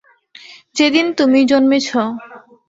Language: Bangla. যেদিন তুমি জন্মেছ।